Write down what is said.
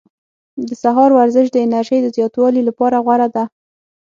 د سهار ورزش د انرژۍ د زیاتوالي لپاره غوره ده.